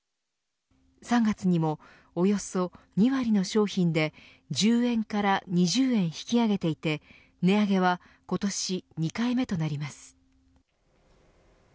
３月にもおよそ２割の商品で１０円から２０円引き上げていて値上げは今年２回目となります。